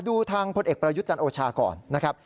ดูทางพลเอกประยุทธ์จันทร์โอชาก่อนนะครับ